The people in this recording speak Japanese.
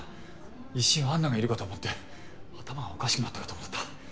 一瞬安奈がいるかと思って頭おかしくなったかと思った。